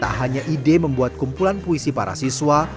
tak hanya ide membuat kumpulan puisi para siswa